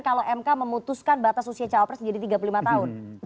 kalau mk memutuskan batas usia cawapres menjadi tiga puluh lima tahun